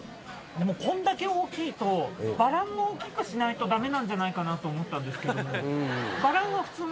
でもこんだけ大きいとバランも大きくしないと駄目なんじゃないかなと思ったんですけども。